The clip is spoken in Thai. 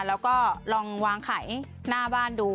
แล้วก็ลองวางไข่หน้าบ้านดู